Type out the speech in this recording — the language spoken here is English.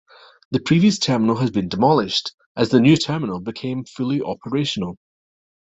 The previous terminal has been demolished, as the new terminal became fully operational.